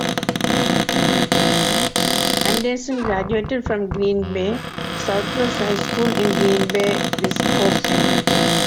Anderson graduated from Green Bay Southwest High School in Green Bay, Wisconsin.